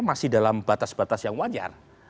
masih dalam batas batas yang wajar